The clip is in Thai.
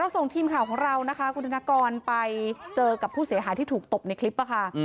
ส่งทีมข่าวของเรานะคะคุณธนกรไปเจอกับผู้เสียหายที่ถูกตบในคลิปค่ะ